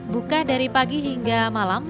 buka dari pagi hingga malam